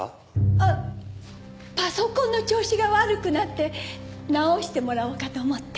えっパソコンの調子が悪くなって直してもらおうかと思って。